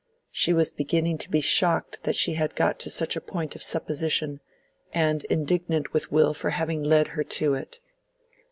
She was beginning to be shocked that she had got to such a point of supposition, and indignant with Will for having led her to it.